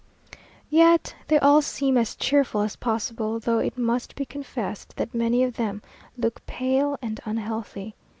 Yet they all seem as cheerful as possible, though it must be confessed that many of them look pale and unhealthy.